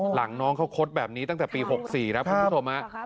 หลังน้องเขาคดแบบนี้ตั้งแต่ปี๖๔แล้วคุณผู้โทรมา